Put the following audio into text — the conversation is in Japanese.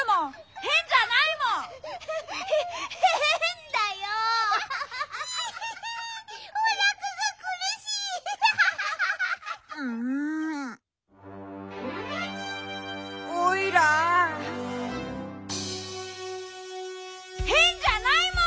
へんじゃないもん！